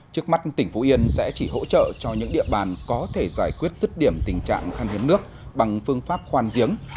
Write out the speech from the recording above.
trước mắt tỉnh phú yên sẽ chỉ hỗ trợ cho những địa bàn có thể giải quyết rứt điểm tình trạng khăn hiếm nước bằng phương pháp khoan giếng